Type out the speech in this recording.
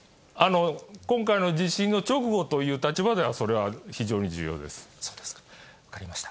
今回の地震の直後という立場そうですか、分かりました。